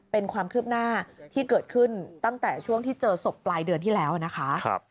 เป็นความคืบหน้าที่เกิดขึ้นตั้งแต่ช่วงที่เจอศพปลายเดือนที่แล้วนะคะ